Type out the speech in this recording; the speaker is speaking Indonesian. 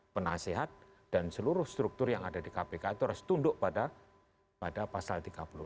penasehat dan seluruh struktur yang ada di kpk itu harus tunduk pada pasal tiga puluh empat